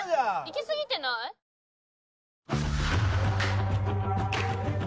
行きすぎてない？